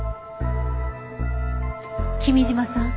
君嶋さん